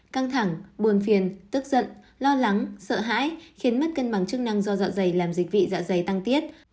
căng thẳng buồn phiền tức giận lo lắng sợ hãi khiến mất cân bằng chức năng do dạ dày làm dịch vị dạ dày tăng tiết